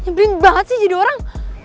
nyemplin banget sih jadi orang